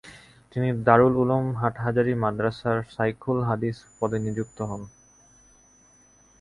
তিনি দারুল উলুম হাটহাজারী মাদ্রাসার শায়খুল হাদিস পদে নিযুক্ত হন।